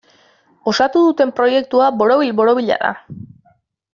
Osatu duten proiektua borobil-borobila da.